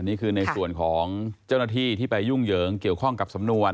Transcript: นี่คือในส่วนของเจ้าหน้าที่ที่ไปยุ่งเหยิงเกี่ยวข้องกับสำนวน